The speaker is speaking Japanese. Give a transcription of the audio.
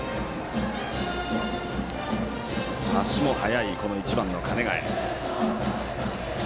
足も速い１番の鐘ヶ江。